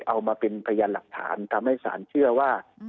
เอามาเป็นพยานหลักฐานทำให้ศาลเชื่อว่า